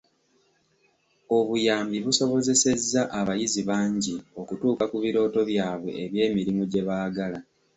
Obuyambi busobozesezza abayizi bangi okutuuka ku birooto byabwe eby'emirimu gye baagala.